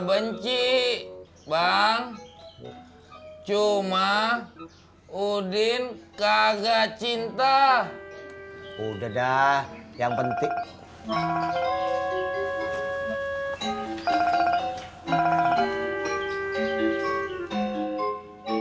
benci bang cuma udin kagak cinta udah dah yang penting hai